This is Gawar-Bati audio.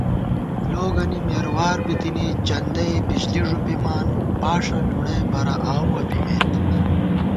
لوگَنی مېروار بِتِنی چندَئے بِجلی ݫُپِمان پاݭہ لُڑَئی بَرَہ آؤوَہ پِیَمېت